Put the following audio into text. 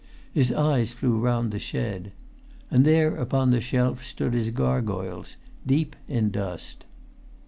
His eyes flew round the shed. And there upon the shelf stood his gargoyles deep in dust.